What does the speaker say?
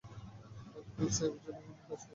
Uncle স্যামের জন্য কাজ করতে কখন যাব?